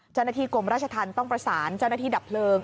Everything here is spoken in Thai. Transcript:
เจ้าหน้าที่กรมราชธรรมต้องประสานเจ้าหน้าที่ดับเพลิง